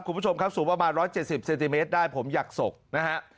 คุณผู้ชมครับสูงประมาณ๑๗๐เซนติเมตรได้ผมอยากศกนะฮะ